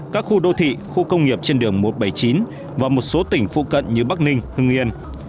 các khu đô thị khu công nghiệp trên đường một trăm bảy mươi chín và một số tỉnh phụ cận như bắc ninh hưng yên